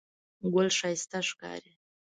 ګل ښایسته ښکاري.